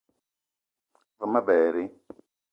Ve ma berri